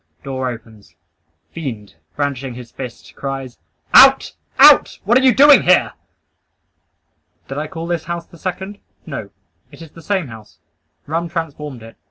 Door opens. Fiend, brandishing his fist, cries "Out! Out! What are you doing here!" Did I call this house the second? No; it is the same house. Rum transformed it.